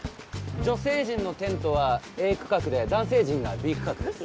女性陣のテントはＡ区画で男性陣がＢ区画です。